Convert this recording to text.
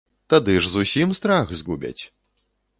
Тады ж зусім страх згубяць.